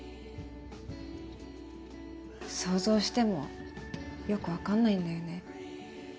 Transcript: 想像してもよく分かんないんだよね